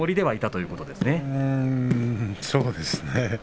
そうですね。